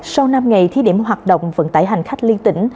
sau năm ngày thí điểm hoạt động vận tải hành khách liên tỉnh